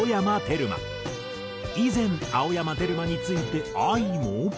以前青山テルマについてＡＩも。